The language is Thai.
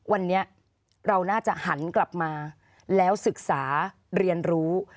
วันนี้เราน่าจะหันกลับมาแล้วศึกษาเรียนรู้